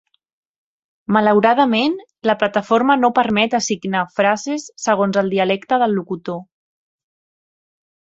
Malauradament, la plataforma no permet assignar frases segons el dialecte del locutor.